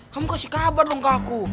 kamu kasih kabar dong ke aku